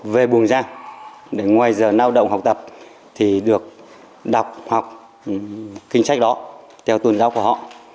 về buồng giang ngoài giờ nao động học tập thì được đọc học kinh sách đó theo tôn giáo của họ